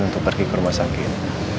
untuk pergi ke rumah sakit